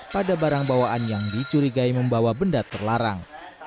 pada barang bawaan yang dicurigai membawa benda terlarang